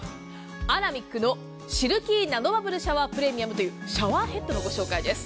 アラミックのシルキーナノバブルシャワープレミアムというシャワーヘッドのご紹介です。